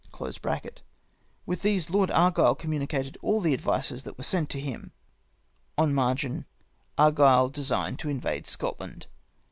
*] With these Lord Argile communicated all the advices that were sent to him." — On margin, "Argile designed to invade Scotland."